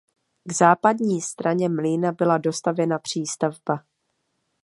K západní straně mlýna byla dostavěna přístavba.